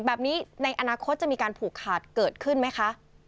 แบบนี้ในอนาคตจะมีการผูกขาดเกิดขึ้นไหมคะ